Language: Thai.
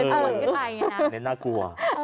เดินขึ้นบันไดอย่างนี้นะ